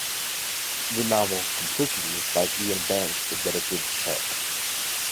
The novel "Complicity" by Iain Banks is dedicated to Sharp.